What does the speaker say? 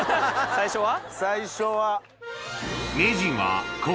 最初は。